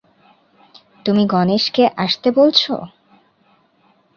তুমি গ্যাণেশ কে আসতে বলছো?